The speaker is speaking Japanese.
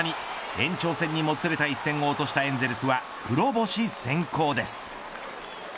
延長戦にもつれた一戦を落としたエンゼルスは黒星先行です。